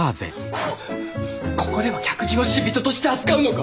ここでは客人を死人として扱うのか！？